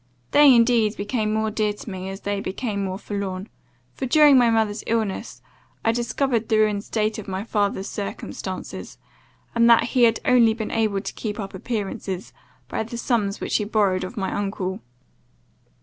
They, indeed, became more dear to me as they became more forlorn; for, during my mother's illness, I discovered the ruined state of my father's circumstances, and that he had only been able to keep up appearances, by the sums which he borrowed of my uncle.